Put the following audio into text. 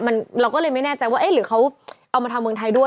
เราก็เลยไม่แน่ใจว่าเอ๊ะหรือเขาเอามาทำเมืองไทยด้วย